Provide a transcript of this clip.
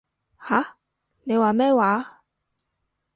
吓？你話咩話？